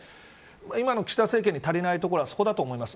今の岸田政権に足りないところはそこだと思います。